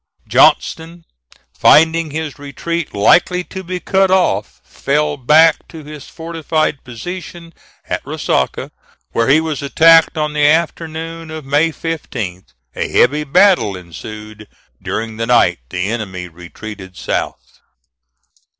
Johnston, finding his retreat likely to be cut off, fell back to his fortified position at Resaca, where he was attacked on the afternoon of May 15th. A heavy battle ensued. During the night the enemy retreated south.